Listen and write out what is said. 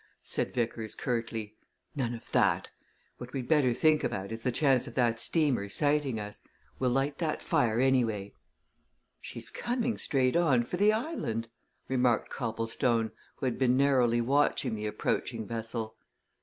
said Vickers, curtly. "None of that! What we'd better think about is the chance of that steamer sighting us. We'll light that fire, anyway!" "She's coming straight on for the island," remarked Copplestone, who had been narrowly watching the approaching vessel.